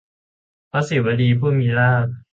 พระสีวลี ผู้มีลาภ